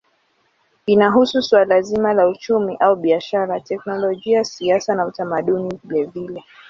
Inahusu suala zima la uchumi au biashara, teknolojia, siasa na utamaduni vilevile.